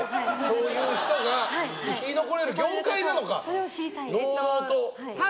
そういう人が生き残れる業界なのか。